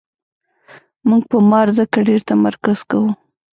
موږ په مار ځکه ډېر تمرکز کوو.